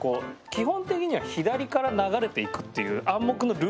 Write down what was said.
基本的には左から流れていくっていう暗黙のルールみたいなのがあるの。へ！